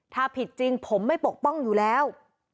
ถ้าผิดจริงผมไม่ปกป้องอยู่แล้ว